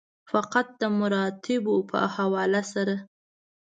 فقط د مراتبو په حواله سره.